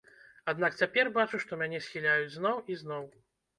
Аднак цяпер бачу, што мяне схіляюць зноў і зноў.